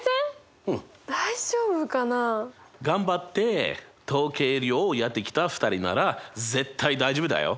頑張って統計量をやってきた２人なら絶対大丈夫だよ。